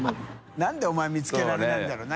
覆鵑お前見つけられないんだろうな